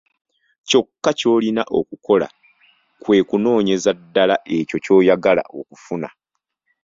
Kyokka ky'olina okukola kwe kunoonyeza ddala ekyo ky'oyagala okufuna.